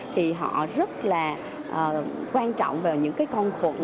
thì họ rất là quan trọng về những cái con khuẩn